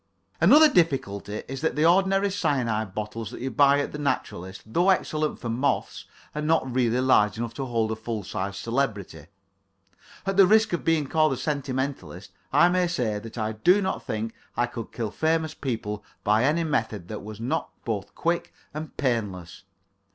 Another difficulty is that the ordinary cyanide bottles that you buy at the naturalist's, though excellent for moths, are not really large enough to hold a full sized celebrity. At the risk of being called a sentimentalist, I may say that I do not think I could kill famous people by any method that was not both quick and painless.